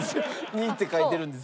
２って書いてるんです。